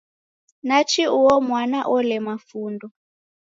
Nachi uo mwana olema fundo!